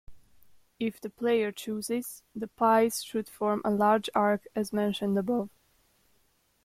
If the player chooses, the piles should form a large arc, as mentioned above.